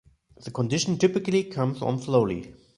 The condition typically comes on slowly.